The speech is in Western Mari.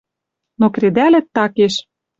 Но кредалӹт такеш.